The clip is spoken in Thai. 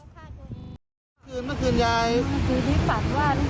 แค่นี้แหละพี่ขอมาบอกนะ